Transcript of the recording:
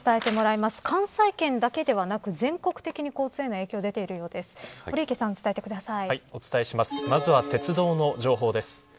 まずは鉄道の情報です。